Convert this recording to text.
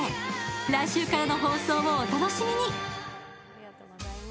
来週からの放送をお楽しみに。